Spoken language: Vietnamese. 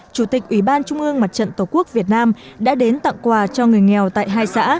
chủ tịch ủy ban trung ương mặt trận tổ quốc việt nam đã đến tặng quà cho người nghèo tại hai xã